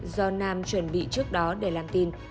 do nam chuẩn bị trước đó để làm tin